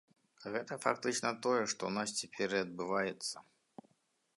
Гэта фактычна тое, што ў нас цяпер і адбываецца.